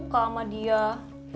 katanya po tati gak mau